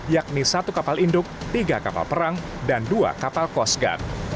yakni satu kapal induk tiga kapal perang dan dua kapal coast guard